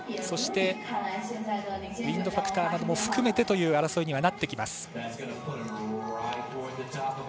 そしてウインドファクターなども含めてという争いにはなってきます。